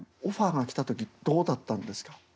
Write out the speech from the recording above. オファーが来た時どうだったんですか？